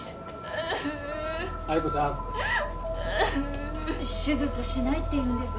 愛子ちゃん。手術しないって言うんです。